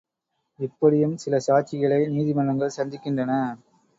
இப்படியும் சில சாட்சிகளை நீதிமன்றங்கள் சந்திக்கின்றன.